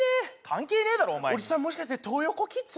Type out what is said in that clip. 関係ねえだろお前おじさんもしかしてトー横キッズ？